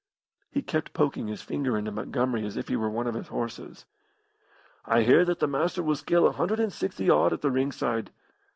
He kept poking his finger into Montgomery as if he were one of his horses. "I hear that the Master will scale a hundred and sixty odd at the ring side."